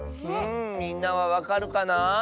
みんなはわかるかな？